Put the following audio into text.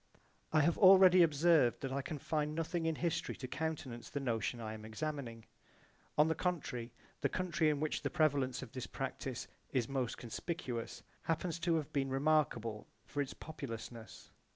I have already observed that I can find nothing in history to countenance the notion I am examining. On the contrary the country in which the prevalence of this practise I is most conspicuous happens to have been remarkable for its populousness.